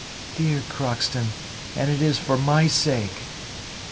"Dear Crockston, and it is for my sake."